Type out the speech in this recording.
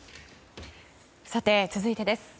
続いてです。